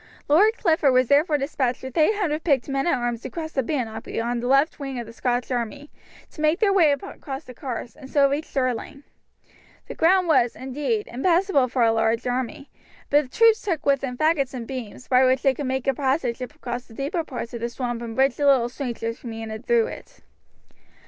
Lord Clifford was therefore despatched with 800 picked men at arms to cross the Bannock beyond the left wing of the Scottish army, to make their way across the carse, and so to reach Stirling. The ground was, indeed, impassable for a large army; but the troops took with them faggots and beams, by which they could make a passage across the deeper parts of the swamp and bridge the little streams which meandered through it.